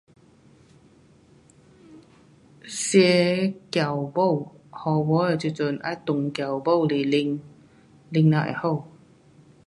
吃姜母，咳嗽的时阵要炖姜母来喝，喝了会好。